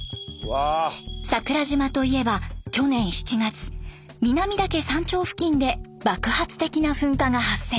桜島といえば去年７月南岳山頂付近で爆発的な噴火が発生。